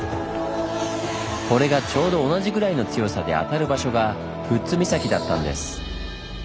これがちょうど同じぐらいの強さであたる場所が富津岬だったんです。